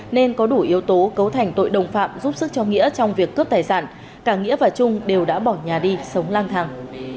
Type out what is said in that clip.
nên có đủ yếu tố cấu thành tội đồng phạm giúp sức cho nghĩa trong việc cướp tài sản cả nghĩa và trung đều đã bỏ nhà đi sống lang thang